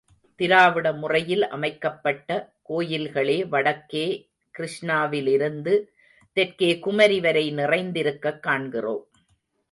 திராவிட முறையில் அமைக்கப்பட்ட கோயில்களே வடக்கே கிருஷ்ணாவிலிருந்து தெற்கே குமரி வரை நிறைந்திருக்கக் காண்கிறோம்.